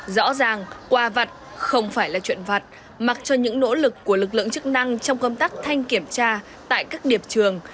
rõ ràng quà vặt không phải là chuyện vặt mặc cho những nỗ lực của lực lượng chức năng trong công tác thanh kiểm tra tại các điệp trường